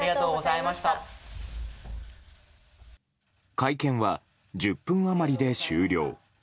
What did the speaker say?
会見は１０分余りで終了。